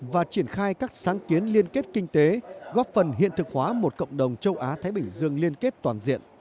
và triển khai các sáng kiến liên kết kinh tế góp phần hiện thực hóa một cộng đồng châu á thái bình dương liên kết toàn diện